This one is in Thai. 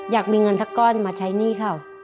อยากมีเงินสักก้อนมาใช้หนี้เขา